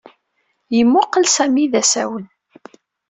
Yemmuqqel Sami d asawen.